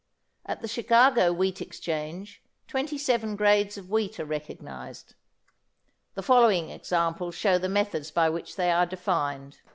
At the Chicago wheat exchange 27 grades of wheat are recognised. The following examples show the methods by which they are defined.